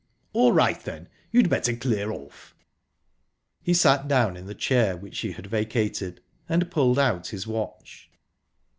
"All right, then you'd better clear off." He sat down in the chair which she had vacated, and pulled out his watch.